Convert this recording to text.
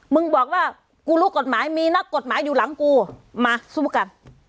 มึงบอกว่ากูรู้กฎหมายมีนักกฎหมายอยู่หลังกูมาสู้กัน